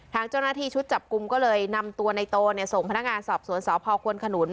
ทางเจ้าหน้าที่ชุดจับกลุ่มก็เลยนำตัวในโตส่งพนักงานสอบสวนสพควนขนุน